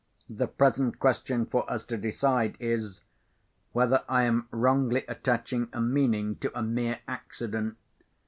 The present question for us to decide is, whether I am wrongly attaching a meaning to a mere accident?